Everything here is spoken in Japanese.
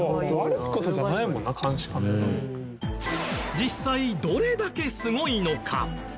実際どれだけすごいのか？